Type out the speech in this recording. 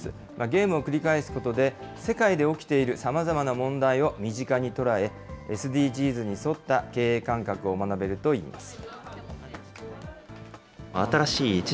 ゲームを繰り返すことで、世界で起きているさまざまな問題を身近に捉え、ＳＤＧｓに沿った経営感覚を学べるといいます。